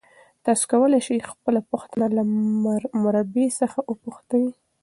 تاسي کولای شئ خپله پوښتنه له مربی څخه وپوښتئ.